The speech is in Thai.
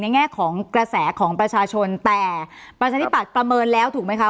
แง่ของกระแสของประชาชนแต่ประชาธิปัตย์ประเมินแล้วถูกไหมคะ